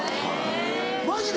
マジで？